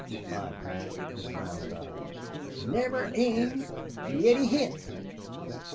replied Mac, with round eyes. "Niver aimed an' yit he hit!"